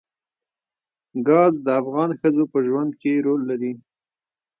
ګاز د افغان ښځو په ژوند کې رول لري.